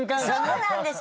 そうなんです。